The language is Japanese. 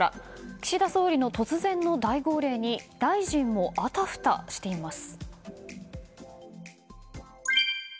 岸田総理の突然の大号令に大臣もあたふたしています。